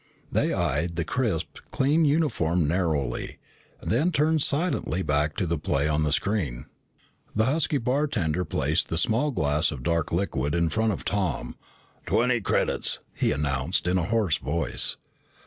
They eyed the crisp, clean uniform narrowly, and then turned silently back to the play on the screen. The husky bartender placed the small glass of dark liquid in front of Tom. "Twenty credits," he announced in a hoarse voice.